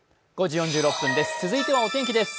続いてはお天気です。